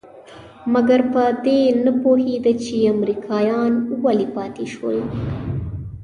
مګر په دې نه پوهېده چې امريکايان ولې پاتې شول.